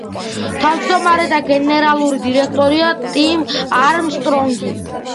თავმჯდომარე და გენერალური დირექტორია ტიმ არმსტრონგი.